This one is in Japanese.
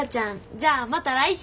じゃあまた来週。